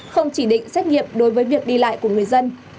không chỉ định xét nghiệm đối với việc đi lại của người dân